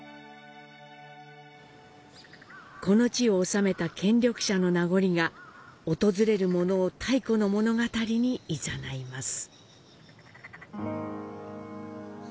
この地を治めた権力者の名残が訪れる者を太古の物語に誘います。